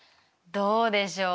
どうでしょう？